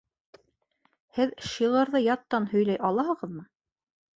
Һеҙ шиғьгрҙы яттан һөйләй алаһығыҙмы?